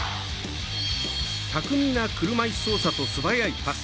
巧みな車いす操作と素早いパス。